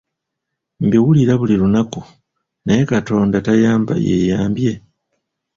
Mbiwulira buli lunaku naye katonda tayamba yeyambye?